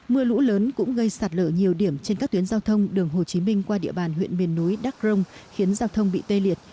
mưa lũ lớn cũng gây sạt lở nhiều điểm trên các tuyến giao thông đường hồ chí minh qua địa bàn huyện miền núi đắc rông khiến giao thông bị tê liệt